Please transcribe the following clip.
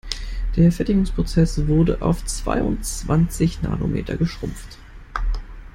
Der Fertigungsprozess wurde auf zweiundzwanzig Nanometer geschrumpft.